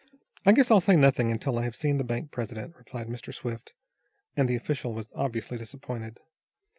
"I guess I'll say nothing until I have seen the bank president," replied Mr. Swift, and the official was obviously disappointed.